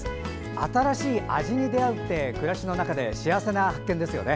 新しい味に出会うって暮らしの中で幸せな発見ですよね。